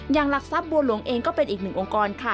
หลักทรัพย์บัวหลวงเองก็เป็นอีกหนึ่งองค์กรค่ะ